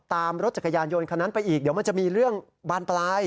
ตามรถจักรยานยนต์คันนั้นไปอีกเดี๋ยวมันจะมีเรื่องบานปลาย